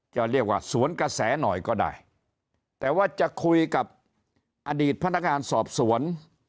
จะเรียกว่าสวนกระแสหน่อยก็ได้แต่ว่าจะคุยกับอดีตพนักงานสอบสวน